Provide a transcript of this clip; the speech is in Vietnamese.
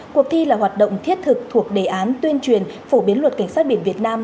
cuộc thi là hoạt động thiết thực thuộc đề án tuyên truyền phổ biến luật cảnh sát biển việt nam